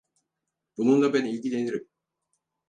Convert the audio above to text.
Bununla ben ilgilenirim.